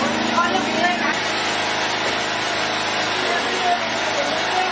อันดับที่สุดท้ายก็จะเป็น